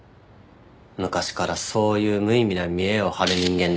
昔からそういう無意味な見えを張る人間でした。